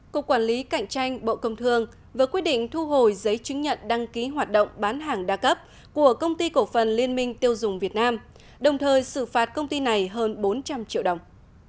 cục quản lý cạnh tranh bộ công thương vừa quyết định thu hồi giấy chứng nhận đăng ký hoạt động bán hàng đa cấp của công ty cổ phần liên minh tiêu dùng việt nam đồng thời xử phạt công ty này hơn bốn trăm linh triệu đồng